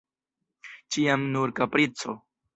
Ĉiam nur kaprico!